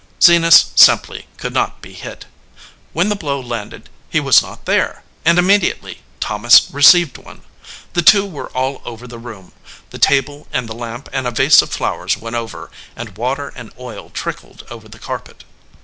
Zenas simply could not be hit. When the blow landed he was not there, and immediately Thomas 223 EDGEWATER PEOPLE received one. The two were all over the room. The table and the lamp and a vase of flowers went over, and water and oil trickled over the carpet.